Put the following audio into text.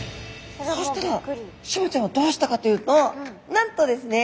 そしたらシマちゃんはどうしたかというとなんとですね